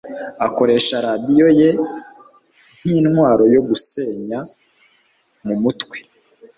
Akoresha radiyo ye nkintwaro yo gusenya mumutwe.